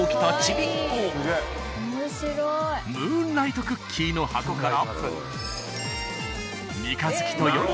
ムーンライトクッキーの箱から。